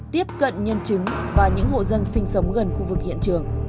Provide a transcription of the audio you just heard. tiếp cận nhân chứng và những hộ dân sinh sống gần khu vực hiện trường